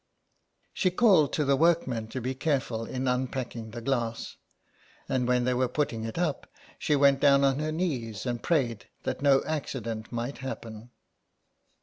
She called to the workmen to be careful in unpacking the glass ; and when they were putting it up she went down on her knees and prayed that no accident might happen.